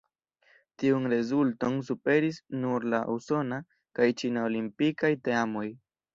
Tiun rezulton superis nur la usona kaj ĉina olimpikaj teamoj.